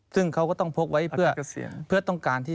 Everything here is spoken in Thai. ซึ่งเขาก็ต้องพกไว้เพื่อต้องการที่